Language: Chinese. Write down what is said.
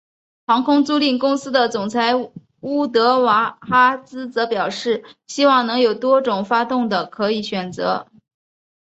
航空租赁公司的总裁乌德瓦哈兹则表示希望能有多种发动的可以选择。